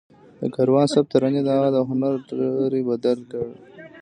د کاروان صاحب ترانې د هغه د هنر لوری بدل کړ